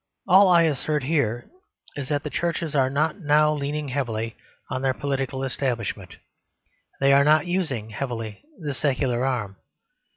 All I assert here is that the Churches are not now leaning heavily on their political establishment; they are not using heavily the secular arm.